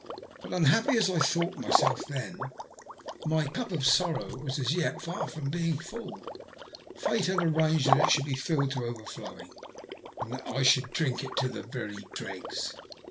But unhappy as I thought myself then, my cup of sorrow was as yet far from being full. Fate had arranged that it should be filled to overflowing, and that I should drink it to the very dregs.